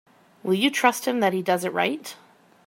Will you trust him that he does it right?